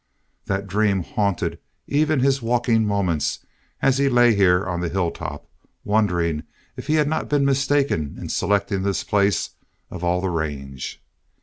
That dream haunted even his walking moments as he lay here on the hilltop, wondering if he had not been mistaken in selecting this place of all the range.